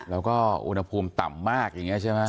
แล้วก็อุณหภูมิต่ำมากอย่างนี้ใช่ไหม